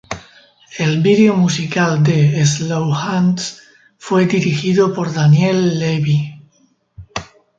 El vídeo musical de "Slow Hands" fue dirigido por Daniel Levi.